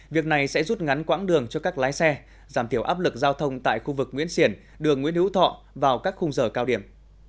việc này sẽ rút ngắn quãng đường cho các lái xe giảm thiểu áp lực giao thông tại khu vực nguyễn xiển đường nguyễn hữu thọ vào các khung giờ cao điểm